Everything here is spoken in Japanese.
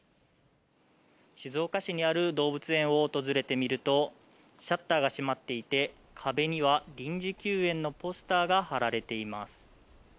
静岡市にある動物園を訪れてみると、シャッターが閉まっていて、壁には臨時休園のポスターが貼られています。